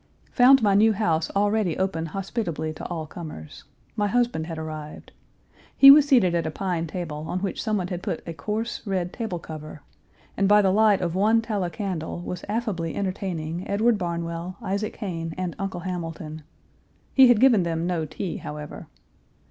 Found my new house already open hospitably to all comers. My husband had arrived. He was seated at a pine table, on which someone had put a coarse, red table cover, and by the light of one tallow candle was affably entertaining Edward Barnwell, Isaac Hayne, and Uncle Hamilton. He had given them no tea, however.